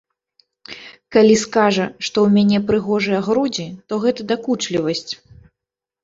Калі скажа, што ў мяне прыгожыя грудзі, то гэта дакучлівасць.